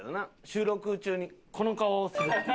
収録中にこの顔をするっていう。